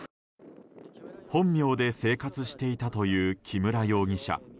本名で生活していたという木村容疑者。